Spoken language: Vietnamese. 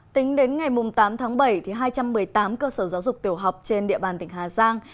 tính đến ngày tám tháng bảy hai trăm một mươi tám cơ sở giáo dục tiểu học trên địa bàn tỉnh hà giang